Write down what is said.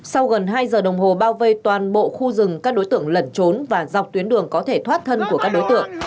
sau gần hai giờ đồng hồ bao vây toàn bộ khu rừng các đối tượng lẩn trốn và dọc tuyến đường có thể thoát thân của các đối tượng